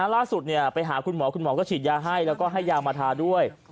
ล่าสุดไปหาคุณหมอคุณหมอก็ฉีดยาให้แล้วก็ให้ยามาทาด้วย